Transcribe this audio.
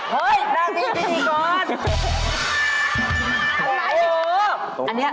เฮ๊ยนั่งดินพิธีโกรธ